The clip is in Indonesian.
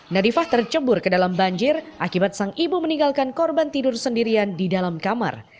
nadifah tercebur ke dalam banjir akibat sang ibu meninggalkan korban tidur sendirian di dalam kamar